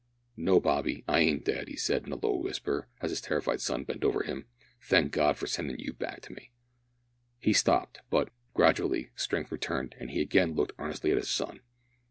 "No, Bobby, I ain't dead yet," he said in a low whisper, as his terrified son bent over him. "Thank God for sendin' you back to me." He stopped, but, gradually, strength returned, and he again looked earnestly at his son.